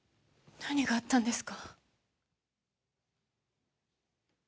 何があったんですか？